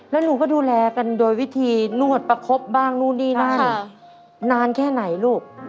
แล้วหนูก็ดูแลกันโดยวิธีนวดประคบบ้างนู่นนี่นั่นนานแค่ไหนลูก